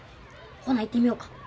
ほな行ってみようか。